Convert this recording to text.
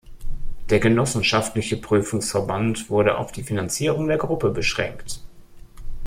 Der genossenschaftliche Prüfungsverband wurde auf die Finanzierung der Gruppe beschränkt.